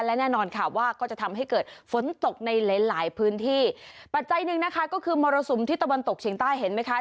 และแน่นอนค่ะว่าก็จะทำให้เกิดฝนตกในหลายหลายพื้นที่ปัจจัยหนึ่งนะคะก็คือมรสุมที่ตะวันตกเฉียงใต้เห็นไหมคะ